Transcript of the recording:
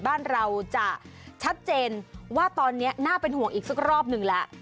บ้านเราจะชัดเจนว่าตอนนี้น่าเป็นห่วงอีกสักรอบหนึ่งแล้ว